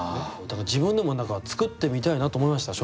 だから自分でも作ってみたいなと思いました